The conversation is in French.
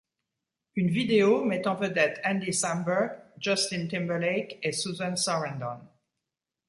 Une vidéo met en vedette Andy Samberg, Justin Timberlake et Susan Sarandon.